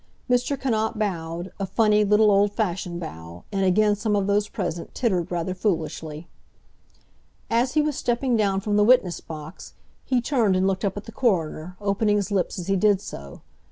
Mr. Cannot bowed, a funny, little, old fashioned bow, and again some of those present tittered rather foolishly. As he was stepping down from the witness box, he turned and looked up at the coroner, opening his lips as he did so.